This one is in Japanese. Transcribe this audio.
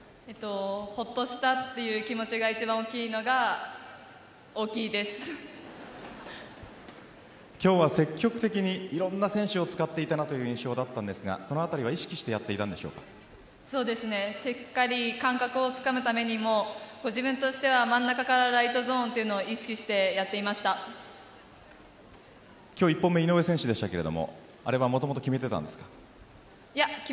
ホッとしたという気持ちが一番今日は積極的にいろんな選手を使っていたなという印象だったんですがそのあたりは意識してしっかり感覚をつかむためにも自分としては真ん中からライトゾーンというのを１本目、井上選手でしたがあれはもともと決めていたんですか？